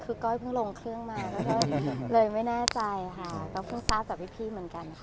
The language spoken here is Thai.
คือก้อยเพิ่งลงเครื่องมาก็เลยไม่แน่ใจค่ะก็เพิ่งทราบจากพี่เหมือนกันค่ะ